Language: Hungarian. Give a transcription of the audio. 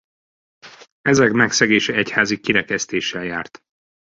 Ezek megszegése egyházi kirekesztéssel járt.